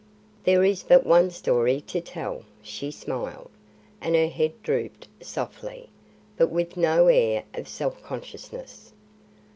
"There is but one story to tell," she smiled, and her head drooped softly, but with no air of self consciousness.